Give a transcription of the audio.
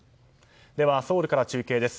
では、ソウルから中継です。